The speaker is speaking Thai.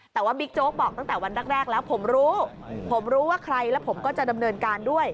แต่ว่าบิ๊กโจ๊กบอกตั้งแต่วันแรกแล้วผมรู้ผมรู้ว่าใครแล้วผมก็จะดำเนินการด้วย